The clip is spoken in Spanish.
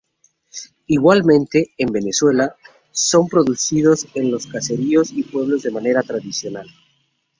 Igualmente, en Venezuela, son producidos en los caseríos y pueblos de manera tradicional.